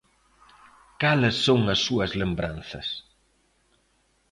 Cales son as súas lembranzas?